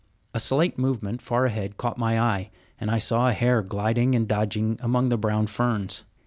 A slight movement far ahead caught my eye, and I saw a hare gliding and dodging among the brown ferns.